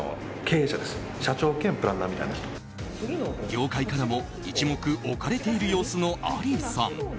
業界からも一目置かれている様子のアリーさん。